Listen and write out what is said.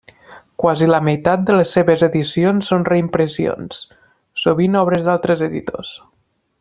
Quasi la meitat de les seves edicions són reimpressions, sovint obres d'altres editors.